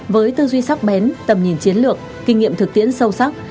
với tư duy sắc bén tầm nhìn chiến lược kinh nghiệm thực tiễn sâu sắc